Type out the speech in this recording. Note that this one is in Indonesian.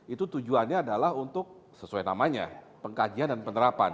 itu tujuannya adalah untuk sesuai namanya pengkajian dan penerapan